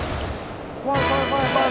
怖い怖い怖い怖い。